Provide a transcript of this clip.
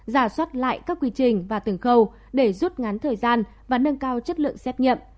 giả soát lại các quy trình và từng khâu để rút ngắn thời gian và nâng cao chất lượng xét nghiệm